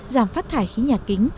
giảm phát thải khí nhà kính